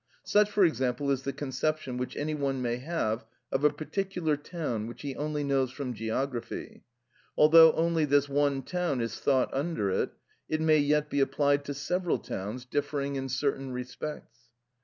Such, for example, is the conception which any one may have of a particular town which he only knows from geography; although only this one town is thought under it, it might yet be applied to several towns differing in certain respects.